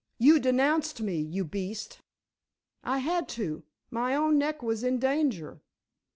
You denounced me, you beast." "I had to; my own neck was in danger."